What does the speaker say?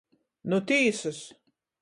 Nu tīsys!